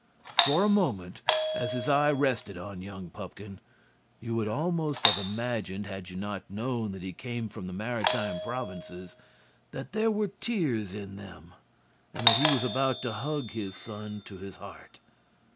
For a moment as his eye rested on young Pupkin you would almost have imagined, had you not known that he came from the Maritime Provinces, that there were tears in them and that he was about to hug his son to his heart.